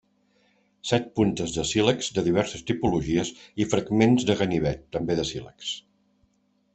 Set puntes de sílex de diverses tipologies i fragments de ganivet, també de sílex.